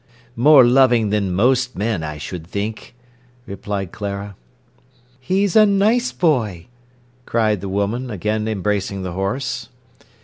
"More loving than most men, I should think," replied Clara. "He's a nice boy!" cried the woman, again embracing the horse.